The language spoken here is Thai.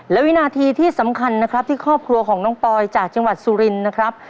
และวินาทีที่สำคัญนะครับที่ครอบครัวของน้องปอยจากจังหวัดสุรินนะครับ